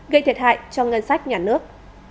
gây thiệt hại cho ngân sách nhà nước